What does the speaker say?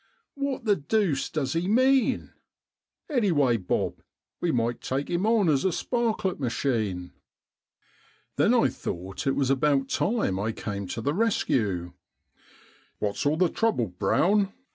" Wot the deuce does he mean ? Anyway, Bob, we might take 'im on as a sparklet machine." Then I thought it was about time I came to the rescue. '' What' s all the trouble, Brown